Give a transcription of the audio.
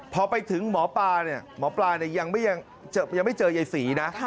พอไปถึงหมอปลาเนี่ยหมอปลายังไม่เจอยายศรีนะ